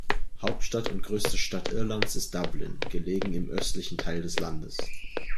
Hauptstadt und größte Stadt Irlands ist Dublin, gelegen im östlichen Teil des Landes.